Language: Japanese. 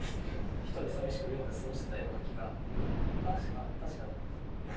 １人寂しく、寮で過ごしてたような気が、確か、確かね。